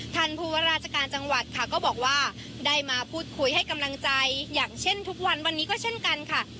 ท่านผู้ว่าราชการจังหวัดค่ะก็บอกว่าได้มาพูดคุยให้กำลังใจอย่างเช่นทุกวันวันนี้ก็เช่นกันค่ะ